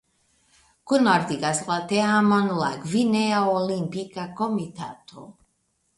Kunordigas la teamon la Gvinea Olimpika Komitato.